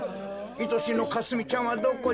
いとしのかすみちゃんはどこじゃ？